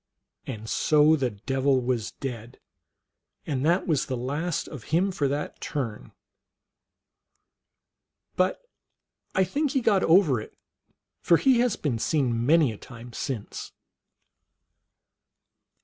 And so the Devil was dead, and that was the last of him for that turn ; but I think he got over it, for he has been seen many a time since.